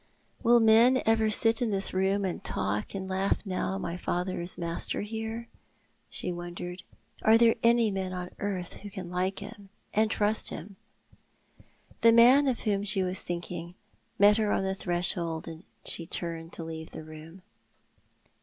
" Will men ever sit in this room and talk and laugli now my father is master here ?" she wondered. " Are there any men on earth who can like him, and trust him ?" The man of whom she was thinking met her on the threshold as she turned to leave the room.